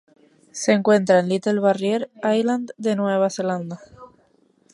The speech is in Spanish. Se encuentra en Little Barrier Island de Nueva Zelanda.